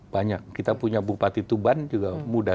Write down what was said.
banyak kita punya bupati tuban juga muda